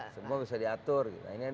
semua bisa diatur